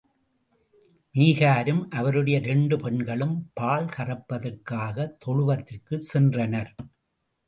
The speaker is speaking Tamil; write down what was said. மீகரும் அவருடைய இரண்டு பெண்களும் பால் கறப்பதற்காகத் தொழுவத்திற்குச் சென்றனர்.